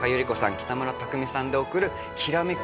北村匠海さんで送るきらめく